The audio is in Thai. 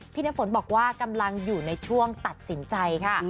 น้ำฝนบอกว่ากำลังอยู่ในช่วงตัดสินใจค่ะ